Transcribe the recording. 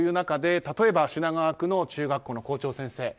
例えば品川区の中学校の校長先生。